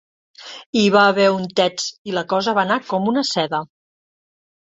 Hi va haver untets, i la cosa va anar com una seda.